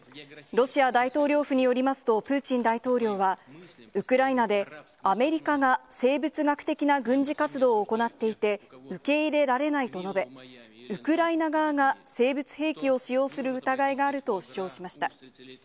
ロシア大統領府によりますと、プーチン大統領は、ウクライナでアメリカが生物学的な軍事活動を行っていて、受け入れられないと述べ、ウクライナ側が生物兵器を使用する疑いがあると主張しました。